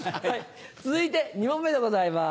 続いて２問目でございます。